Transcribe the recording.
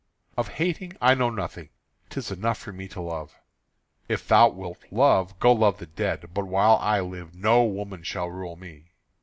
"Of hating I know nothing: 'tis enough for me to love." "If thou wilt love, go love the dead. But while I live no woman shall rule me."